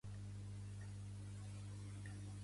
És considerat el segon dels cinc Califes del toreig.